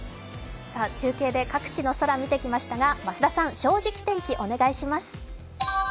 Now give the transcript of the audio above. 中継で各地の空見てきましたが、増田さん、「正直天気」お願いします。